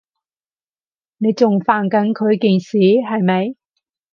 你仲煩緊佢件事，係咪？